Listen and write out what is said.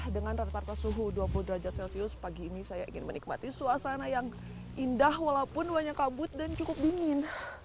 dengan rata rata suhu dua puluh derajat celcius pagi ini saya ingin menikmati suasana yang indah walaupun banyak kabut dan cukup dingin